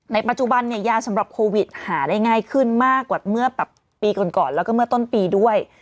ปัจจุบันเนี่ยยาสำหรับโควิดหาได้ง่ายขึ้นมากกว่าเมื่อปีก่อนแล้วก็เมื่อต้นปีด้วย